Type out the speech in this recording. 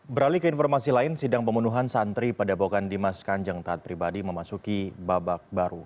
beralih ke informasi lain sidang pembunuhan santri pada bokan dimas kanjeng taat pribadi memasuki babak baru